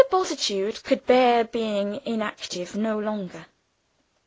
Bultitude could bear being inactive no longer.